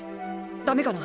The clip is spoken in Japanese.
ダメかな？